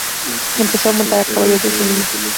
Empezó a montar a caballo desde niño.